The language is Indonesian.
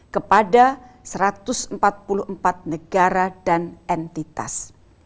kepada satu ratus empat puluh empat negara dan entitas